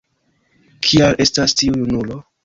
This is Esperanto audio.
Kia estas tiu junulo?